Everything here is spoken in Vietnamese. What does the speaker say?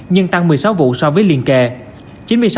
nhưng tăng một mươi sáu vụ so với liên kề